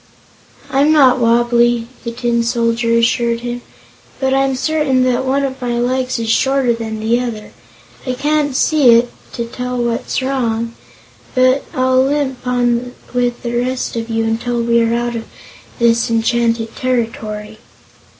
"I'm not wobbly," the Tin Soldier assured him, "but I'm certain that one of my legs is shorter than the other. I can't see it, to tell what's gone wrong, but I'll limp on with the rest of you until we are out of this enchanted territory."